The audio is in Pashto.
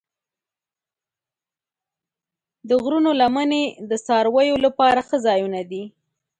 د غرونو لمنې د څارویو لپاره ښه ځایونه دي.